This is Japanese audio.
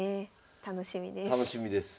楽しみです。